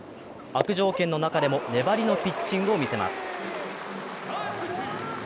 悪条件の中でも粘りのピッチングを見せます。